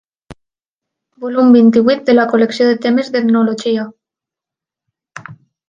Volum vint-i-vuit de la col·lecció Temes d'Etnologia.